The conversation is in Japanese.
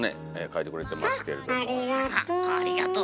ありがとう。